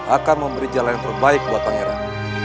akan memberi jalan yang terbaik buat pangeran